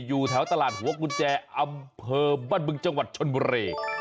อยู่แถวตลาดหัวกุญแจอำเภอบ้านบึงจังหวัดชนบุรี